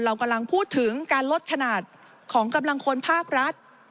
เรากำลังพูดถึงการลดขนาดของกำลังคนภาครัฐ